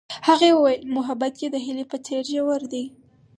هغې وویل محبت یې د هیلې په څېر ژور دی.